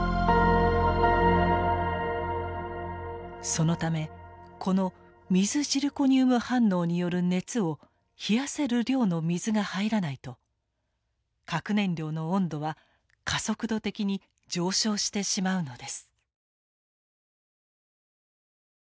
そのためこの水ジルコニウム反応による熱を冷やせる量の水が入らないと核燃料の温度は加速度的に上昇してしまうのです。